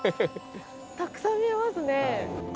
たくさん見えますね。